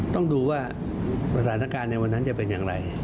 ต้องดูว่าสถานการณ์ในวันนั้นจะเป็นอย่างไร